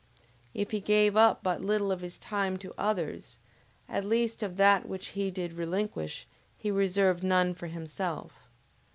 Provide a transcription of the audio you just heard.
If he gave up but little of his time to others, at least of that which he did relinquish, he reserved none for himself.